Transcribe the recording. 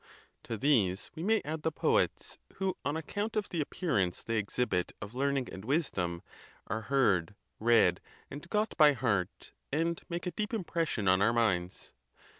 To these we may add the poets; who, on account of the appearance they exhibit of learning and wisdom, are heard, read, and got by heart, and make a deep impres sion on our minds.